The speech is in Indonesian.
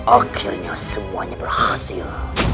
akhirnya semuanya berhasil